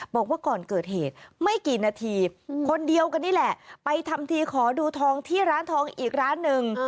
บอกว่าก่อนเกิดเหตุไม่กี่นาทีคนเดียวกันนี่แหละไปทำทีขอดูทองที่ร้านทองอีกร้านหนึ่ง